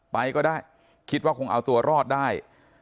ไปก็ได้คิดว่าคงเอาตัวรอดได้